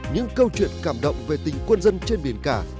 những câu chuyện cảm động về tình quân dân trên biển cả